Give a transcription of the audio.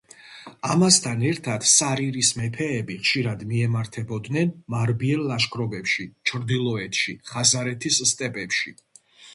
ამასთან ერთად სარირის მეფეები ხშირად მიემართებოდნენ მარბიელ ლაშქრობებში ჩრდილოეთში, ხაზარეთის სტეპებში.